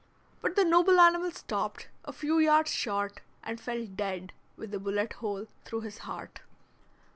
But the noble animal stopped, a few yards short, and fell dead with a bullet hole through his heart.